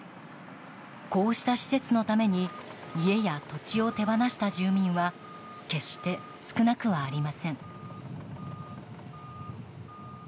こうした施設のために家や土地を手放した住民は決して少なくはありません。